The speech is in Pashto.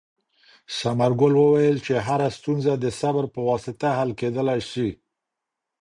ثمرګل وویل چې هره ستونزه د صبر په واسطه حل کېدلای شي.